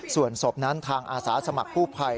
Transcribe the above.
ส่วนศพนั้นทางอาสาสมัครกู้ภัย